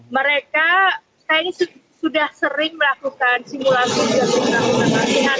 mereka saya ini sudah sering melakukan simulasi dan penelitian